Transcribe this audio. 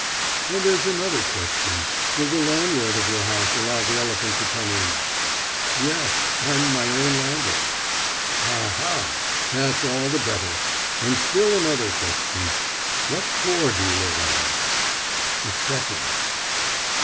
"And there's another question: will the landlord of your house allow the elephant to come in?" "Yes. I'm my own landlord." "Aha! That's all the better. And still another question: what floor do you live on?" "The second."